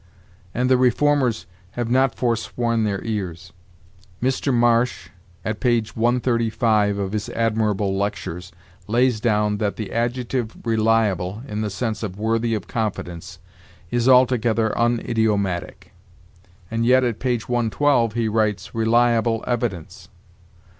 And 'the reformers' have not forsworn their ears. Mr. Marsh, at p. 135 of his admirable 'Lectures,' lays down that 'the adjective reliable, in the sense of worthy of confidence, is altogether unidiomatic'; and yet, at p. 112, he writes 'reliable evidence.'